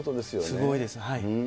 すごいです。